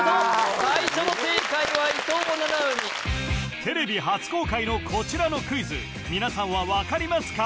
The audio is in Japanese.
最初の正解は伊藤七海テレビ初公開のこちらのクイズ皆さんは分かりますか？